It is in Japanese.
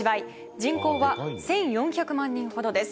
人口は１４００万人ほどです。